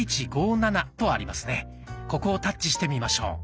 ここをタッチしてみましょう。